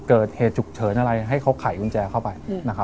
เกิดเหตุฉุกเฉินอะไรให้เขาไขกุญแจเข้าไป